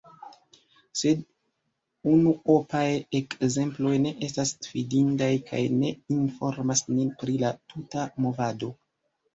Sed unuopaj ekzemploj ne estas fidindaj kaj ne informas nin pri la tuta movado.